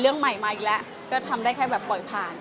เรื่องใหม่มาอีกแล้วก็ทำได้แค่แบบปล่อยผ่าน